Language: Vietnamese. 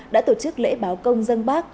đã tổ chức lễ báo công dân bác